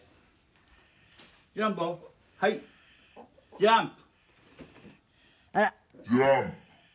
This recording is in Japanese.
「ジャンプ！」